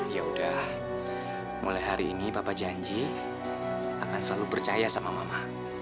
ya udah mulai hari ini bapak janji akan selalu percaya sama mama